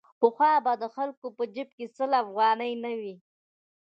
پخوا به د خلکو په جېب کې سل افغانۍ نه وې.